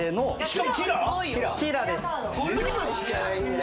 １０枚しかないんだ。